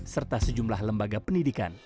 serta sejumlah lembaga pendidikan